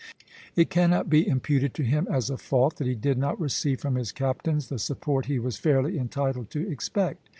It cannot be imputed to him as a fault that he did not receive from his captains the support he was fairly entitled to expect.